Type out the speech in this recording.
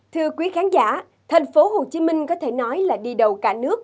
thưa quý khán giả thành phố hồ chí minh có thể nói là đi đầu cả nước